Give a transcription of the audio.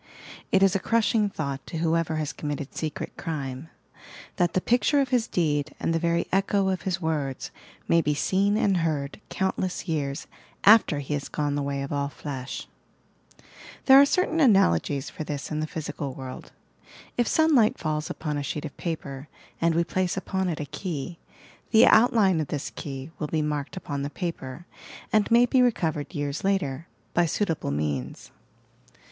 It ia a crushing thought to whoever baa committed secret crime, — that the picture of his deed and the very echo of his words may be seen and heard countless years after he has gone the way of all flesh !" There are certain analogies for this in the physical world. If sunlight falls upon a sheet of paper and we place upon it a key, the outline of this key will be marked upon the paper and may be recovered years later by suitable means.